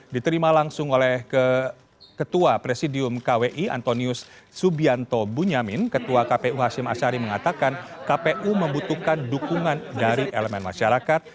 diterima langsung oleh ketua presidium kwi antonius subianto bunyamin ketua kpu hashim ashari mengatakan kpu membutuhkan dukungan dari elemen masyarakat